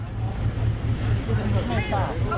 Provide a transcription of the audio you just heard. ไม่ไม่ที่พันถ้าเป็นหมื่นก็เป็นหมื่น